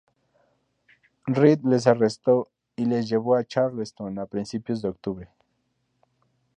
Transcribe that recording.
Rhett les arrestó y les llevó a Charleston a principios de octubre.